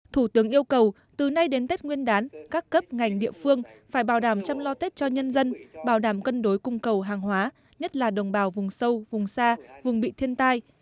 thủ tướng yêu cầu từ nay đến tết nguyên đán các cấp ngành địa phương phải bảo đảm chăm lo tết cho nhân dân bảo đảm cân đối cung cầu hàng hóa nhất là đồng bào vùng sâu vùng xa vùng bị thiên tai